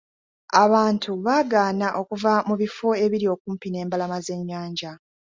Abantu baagaana okuva mu bifo ebiri okumpi n'embalama z'ennyanja.